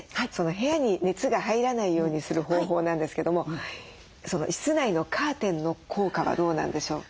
部屋に熱が入らないようにする方法なんですけども室内のカーテンの効果はどうなんでしょう？